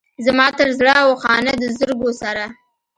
زما تر زړه و خانه د زرګو سره.